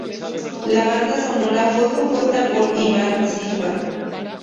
La banda sonora fue compuesta por Iván Silva.